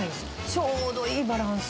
ちょうどいいバランス。